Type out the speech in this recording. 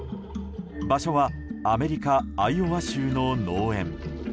場所はアメリカ・アイオワ州の農園。